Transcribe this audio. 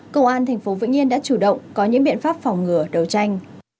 công an thành phố vĩnh yên đã chủ động có những biện pháp phòng ngừa đấu tranh